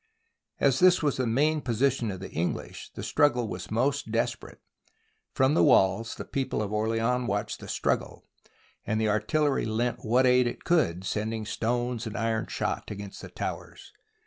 As this was the main position of the English, the struggle was most desperate. From the walls, the people of Orleans watched the struggle, and the artillery lent what aid it could, sending stones and iron shot against the towers.